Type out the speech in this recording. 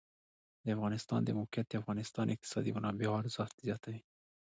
د افغانستان د موقعیت د افغانستان د اقتصادي منابعو ارزښت زیاتوي.